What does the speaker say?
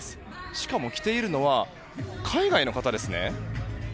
しかも着ているのは海外の方ですね。